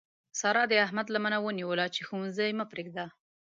سارا د احمد لمنه ونیوله چې ښوونځی مه پرېږده.